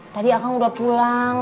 tadi akang udah pulang